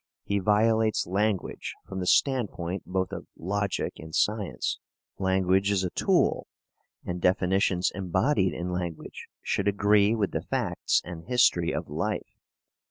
He violates language from the standpoint both of logic and science. Language is a tool, and definitions embodied in language should agree with the facts and history of life.